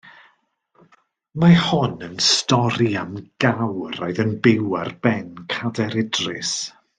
Mae hon yn stori am gawr oedd yn byw ar ben Cader Idris.